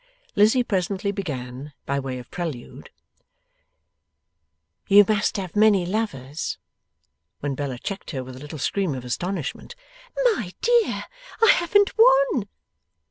Lizzie presently began, by way of prelude, 'You must have many lovers ' when Bella checked her with a little scream of astonishment. 'My dear, I haven't one!